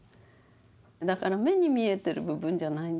だから目に見えてる部分じゃないんですよね。